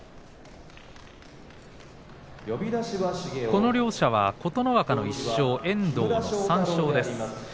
この両者は琴ノ若の１勝遠藤の３勝です。